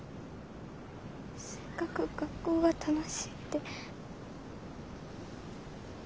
せっかく学校が楽しいって。